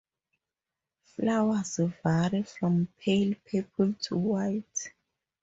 Flowers vary from pale purple to white.